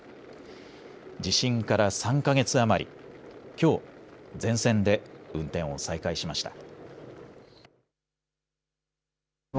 地震から３か月余り、きょう全線で運転を再開しました。